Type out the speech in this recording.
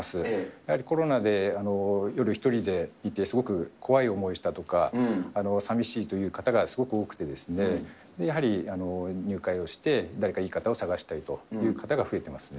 やはりコロナで夜１人でいて、すごく怖い思いをしたとか、さみしいという方がすごく多くてですね、やはり入会をして、誰かいい方を探したいという方が増えてますね。